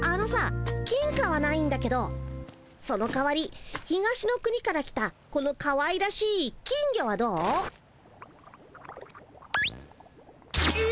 金貨はないんだけどそのかわり東の国から来たこのかわいらしい金魚はどう？え？